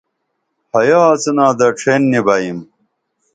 حیا آڅِنا دڇھین نی بئیم